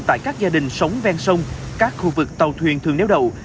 tại các gia đình sống ven sông các khu vực tàu thuyền thường néo đậu